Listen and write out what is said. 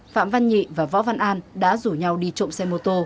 phạm văn nhị và võ văn an đã rủ nhau đi trộm xe mô tô